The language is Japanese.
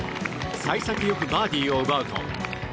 幸先よくバーディーを奪うと。